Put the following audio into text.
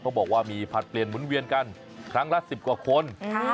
บอกว่ามีผลัดเปลี่ยนหมุนเวียนกันครั้งละ๑๐กว่าคน